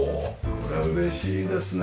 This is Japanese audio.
これは嬉しいですね